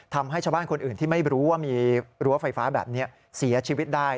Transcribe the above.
ทำให้ชาวบ้านคนอื่นที่ไม่รู้ว่ามีรั้วไฟฟ้าแบบนี้เสียชีวิตได้